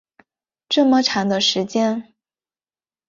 这么长的时间